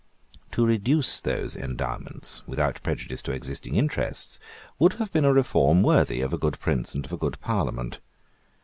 To reduce those endowments, without prejudice to existing interests, would have been a reform worthy of a good prince and of a good parliament.